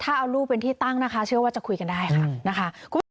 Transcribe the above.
ถ้าเอาลูกเป็นที่ตั้งนะคะเชื่อว่าจะคุยกันได้ค่ะ